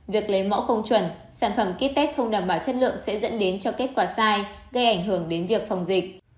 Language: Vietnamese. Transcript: việc lấy mẫu không chuẩn sản phẩm kit tech không đảm bảo chất lượng sẽ dẫn đến cho kết quả sai gây ảnh hưởng đến việc phòng dịch